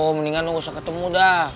aduh mendingan lo gak usah ketemu dah